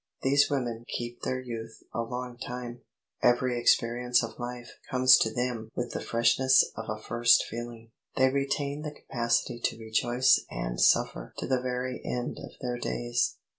These women keep their youth a long time; every experience of life comes to them with the freshness of a first feeling; they retain the capacity to rejoice and suffer to the very end of their days.